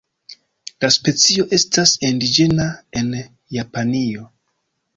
La specio estas indiĝena en Japanio.